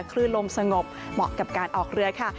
คลื่นลมสงบเหมาะกับการออกเรือค่ะ